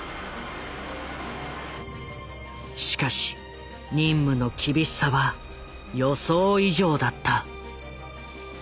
しかし任務の厳しさは予想以上だった。